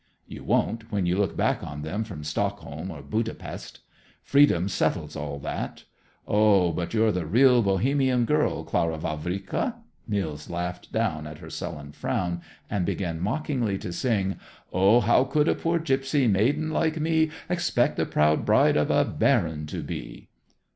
"You won't, when you look back on them from Stockholm or Budapest. Freedom settles all that. Oh, but you're the real Bohemian Girl, Clara Vavrika!" Nils laughed down at her sullen frown and began mockingly to sing: "_Oh, how could a poor gypsy maiden like me Expect the proud bride of a baron to be?